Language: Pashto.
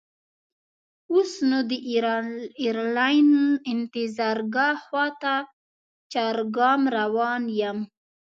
اوس نو د ایرلاین انتظارګاه خواته چارګام روان یم.